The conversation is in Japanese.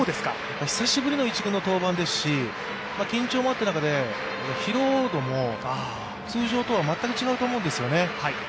久しぶりの１軍の登板ですし、緊張もあった中で、疲労度も通常とは全く違うと思うんですよね。